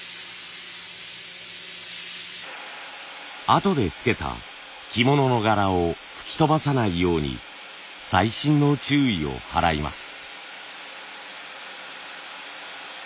あとでつけた着物の柄を吹き飛ばさないように細心の注意を払います。